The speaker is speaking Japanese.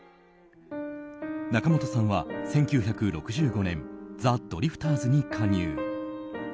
仲本さんは、１９６５年ザ・ドリフターズに加入。